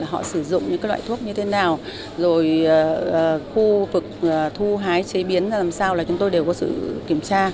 họ sử dụng những loại thuốc như thế nào rồi khu vực thu hái chế biến ra làm sao là chúng tôi đều có sự kiểm tra